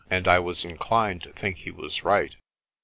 And I was inclined to think he was right.